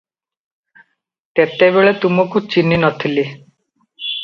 ତେତେବେଳେ ତୁମକୁ ଚିହ୍ନି ନ ଥିଲି ।